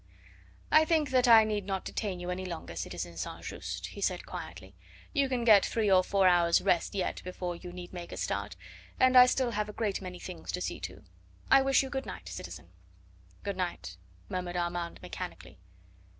"I think that I need not detain you any longer, citizen, St. Just," he said quietly; "you can get three or four hours' rest yet before you need make a start, and I still have a great many things to see to. I wish you good night, citizen." "Good night," murmured Armand mechanically.